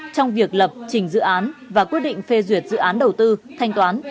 trong việc lập trình dự án và quyết định phê duyệt dự án đầu tư thanh toán